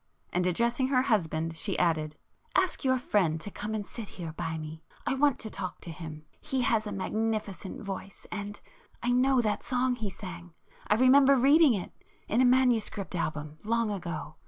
And addressing her husband, she added—"Ask your friend to come and sit here by me,—I want to talk to him. He has a magnificent voice,—and—I know that song he sang,—I remember reading it—in a manuscript album—long ago.